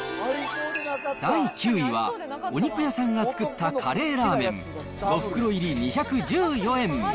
第９位は、お肉屋さんが作ったカレーラーメン５袋入り２１４円。